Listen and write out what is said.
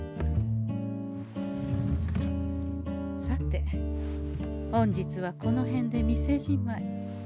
さて本日はこの辺で店じまい。